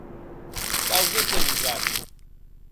Causes de gojats.